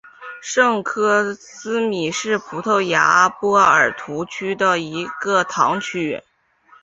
圣科斯米是葡萄牙波尔图区的一个堂区。